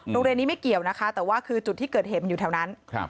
โรงเรียนนี้ไม่เกี่ยวนะคะแต่ว่าคือจุดที่เกิดเหตุมันอยู่แถวนั้น